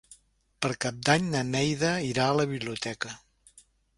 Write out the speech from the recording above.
Per Cap d'Any na Neida irà a la biblioteca.